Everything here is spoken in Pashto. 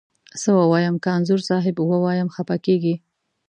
څه ووایم، که انځور صاحب ووایم خپه کږې.